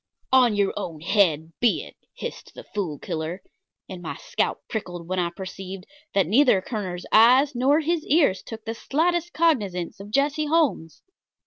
"On your own head be it," hissed the Fool Killer, and my scalp prickled when I perceived that neither Kerner's eyes nor his ears took the slightest cognizance of Jesse Holmes.